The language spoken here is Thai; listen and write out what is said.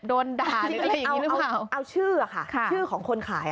โดนด่าหรืออะไรอย่างนี้หรือเปล่าเอาชื่อค่ะชื่อของคนขาย